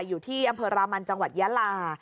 อยู่ที่อำเภอรามันจังหวัดยาลา